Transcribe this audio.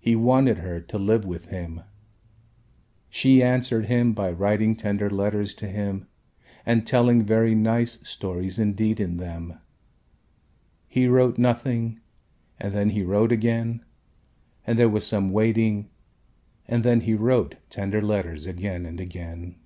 He wanted her to live with him. She answered him by writing tender letters to him and telling very nice stories indeed in them. He wrote nothing and then he wrote again and there was some waiting and then he wrote tender letters again and again.